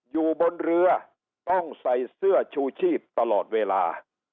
อยู่บนเรือต้องใส่เสื้อชูชีพตลอดเวลา